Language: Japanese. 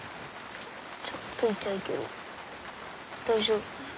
ちょっと痛いけど大丈夫。